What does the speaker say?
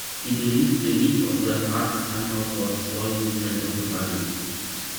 He believed the heat of the heart somehow caused all movement of the body.